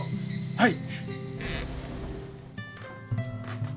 はい！